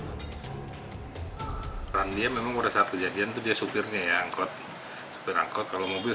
peran dia memang pada saat kejadian itu dia supirnya ya angkot supir angkot kalau mobil